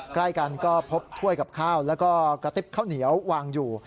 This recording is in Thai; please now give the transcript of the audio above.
ใกล้กันก็พบถ้วยกับข้าวแล้วก็กระติบข้าวเหนียววางอยู่